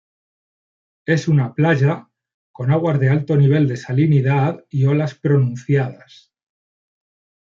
Es una playa con aguas de alto nivel de salinidad y olas pronunciadas.